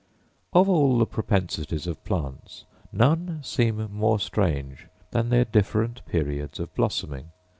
Of all the propensities of plants none seem more strange than their different periods of blossoming.